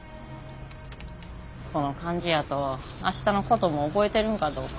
この感じやと明日のことも覚えてるんかどうか。